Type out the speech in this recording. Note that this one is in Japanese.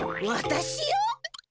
わたしよ！